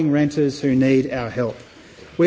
kami mendukung pembelian yang membutuhkan bantuan kita